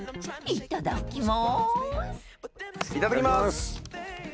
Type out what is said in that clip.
いただきます。